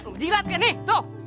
lu mejilat kek nih tuh